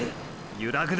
ゆらぐな！！